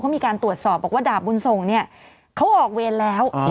เขามีการตรวจสอบบอกว่าดาบบุญส่งเนี่ยเขาออกเวรแล้ว